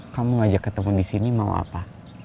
kamu ngajak ketemu disini mau apa